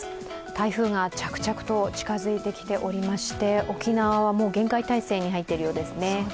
台風が着々と近づいてきておりまして沖縄は厳戒態勢に入っているようですね。